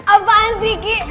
apaan sih ki